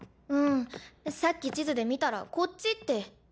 うんさっき地図で見たらこっちって。